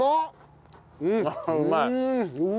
うまい！